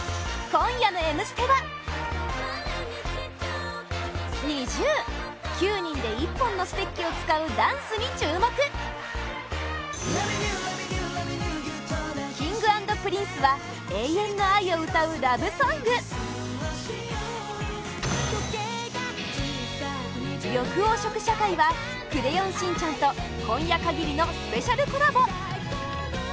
今夜の「Ｍステ」はＮｉｚｉＵ９人で１本のステッキを使うダンスに注目Ｋｉｎｇ＆Ｐｒｉｎｃｅは永遠の愛を歌うラブソング緑黄色社会は「クレヨンしんちゃん」と今夜限りのスペシャルコラボ